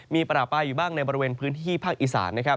มีประปายอยู่บ้างในบริเวณพื้นที่ภาคอีสาน